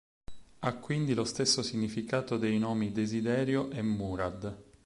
Ha quindi lo stesso significato dei nomi Desiderio e Murad.